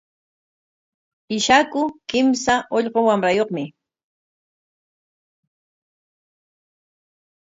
Ishaku kimsa ullqu wamrayuqmi.